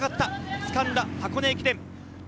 掴んだ箱根駅伝。